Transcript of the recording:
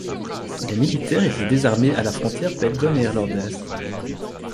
Les militaires étaient désarmés à la frontière belgo-néerlandaise.